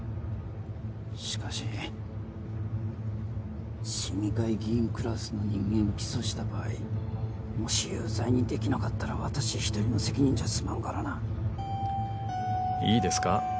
しかし市議会議員クラスの人間起訴した場合もし有罪にできなかったら私一人の責任じゃ済まんからないいですか